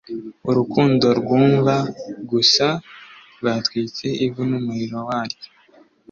urukundo rwumva gusa rwatwitswe ivu n'umuriro waryo,